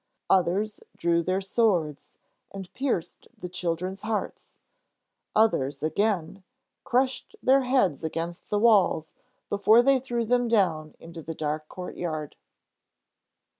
Others drew their swords and pierced the children's hearts; others, again, crushed their heads against the walls before they threw them down into the dark courtyard.